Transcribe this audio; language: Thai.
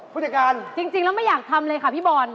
ผู้จัดการจริงแล้วไม่อยากทำเลยค่ะพี่บอล